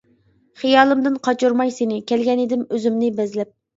خىيالىمدىن قاچۇرماي سىنى، كەلگەنىدىم ئۆزۈمنى بەزلەپ.